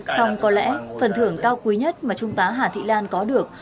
xong có lẽ phần thưởng cao quý nhất mà trung tá hà thị lan có được